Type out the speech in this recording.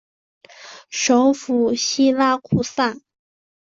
首府锡拉库萨。